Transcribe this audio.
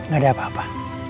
gak ada apa apa